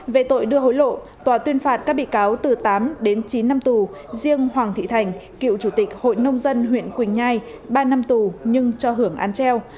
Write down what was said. về tội đưa hối lộ tòa tuyên phạt các bị cáo từ tám đến chín năm tù riêng hoàng thị thành cựu chủ tịch hội nông dân huyện quỳnh nhai ba năm tù nhưng cho hưởng án treo